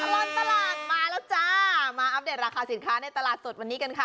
ตลอดตลาดมาแล้วจ้ามาอัปเดตราคาสินค้าในตลาดสดวันนี้กันค่ะ